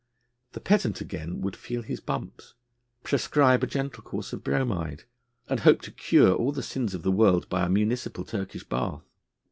The pedant, again, would feel his bumps, prescribe a gentle course of bromide, and hope to cure all the sins of the world by a municipal Turkish bath.